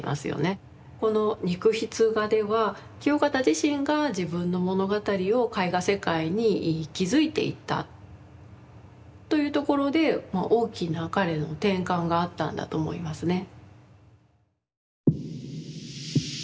この肉筆画では清方自身が自分の物語を絵画世界に築いていったというところで大きな彼の転換があったんだと思いますね。